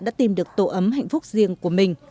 đã tìm được tổ ấm hạnh phúc riêng của mình